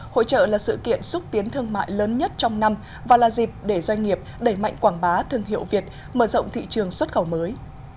hội trợ là sự kiện xúc tiến thương mại lớn nhất trong năm và là dịp để doanh nghiệp đẩy mạnh quảng bá thương hiệu việt mở rộng thị trường xuất khẩu mới